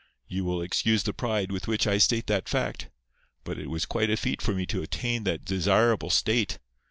You will excuse the pride with which I state that fact; but it was quite a feat for me to attain that desirable state.